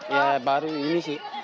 ya baru ini sih